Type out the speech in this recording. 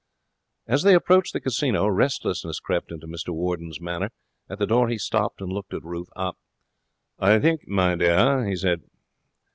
As they approached the casino restlessness crept into Mr Warden's manner. At the door he stopped and looked at Ruth. 'I think, my dear ' he said.